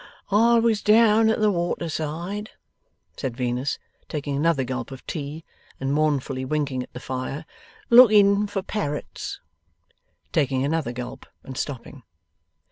'I was down at the water side,' said Venus, taking another gulp of tea and mournfully winking at the fire 'looking for parrots' taking another gulp and stopping.